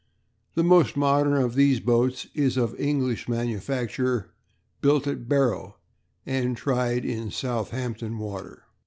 The most modern of these boats is of English manufacture, built at Barrow, and tried in Southampton Water.